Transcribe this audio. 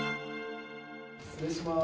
失礼します。